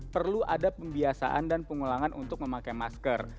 perlu ada pembiasaan dan pengulangan untuk memakai masker